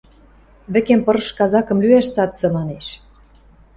– Вӹкем пырыш казакым лӱӓш цацы! – манеш.